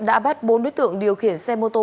đã bắt bốn đối tượng điều khiển xe mô tô